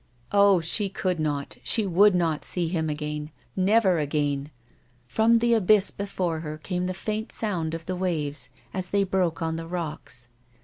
Oh ! she could not, she would not, see him again ! Never again ! From the abyss before her came the faint sound of the waves as they broke ou the rocks.